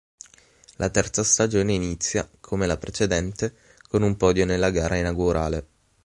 La terza stagione inizia, come la precedente con un podio nella gara inaugurale.